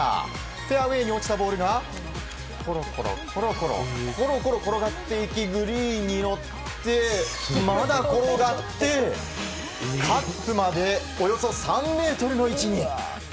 フェアウェーに落ちたボールがコロコロ転がっていきグリーンに乗って、まだ転がってカップまでおよそ３ｍの位置に。